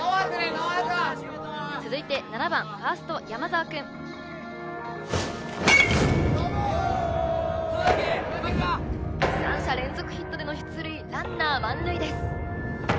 ノーアウト続いて７番ファースト山澤くん三者連続ヒットでの出塁ランナー満塁です